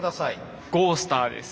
ゴースターです。